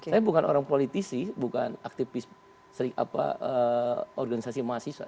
saya bukan orang politisi bukan aktivis organisasi mahasiswa